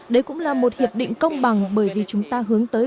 đấy cũng là một hiệp định công bằng bởi vì chúng ta hướng tới